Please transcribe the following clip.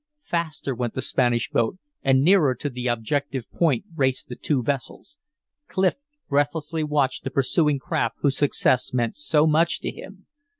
Faster went the Spanish boat, and nearer to the objective point raced the two vessels. Clif breathlessly watched the pursuing craft whose success meant so much to him.